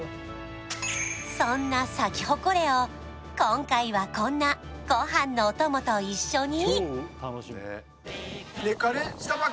そんなサキホコレを今回はこんなご飯のお供と一緒に！